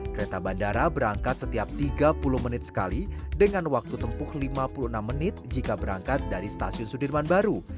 kereta bandara berangkat setiap tiga puluh menit sekali dengan waktu tempuh lima puluh enam menit jika berangkat dari stasiun sudirman baru